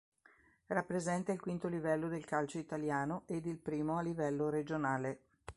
Rappresenta il quinto livello del calcio italiano ed il primo a livello regionale.